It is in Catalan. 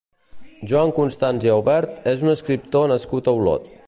Joan Constans i Aubert és un escriptor nascut a Olot.